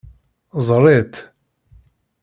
Ẓeṛ-itt.